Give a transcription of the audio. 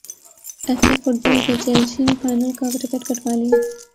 F A football cup Chelsea نے final کا ticket کٹوا لیا